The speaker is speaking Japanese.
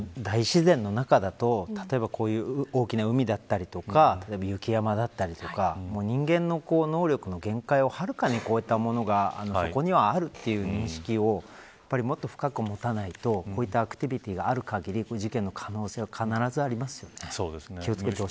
大自然の中だと例えば、こういう大きな海だったりとか雪山だったりとか人間の能力の限界をはるかに超えたものがそこにはあるという認識をもっと深く持たないとこういったアクティビティがあるかぎりこういう事件の可能性は必ずありますよね。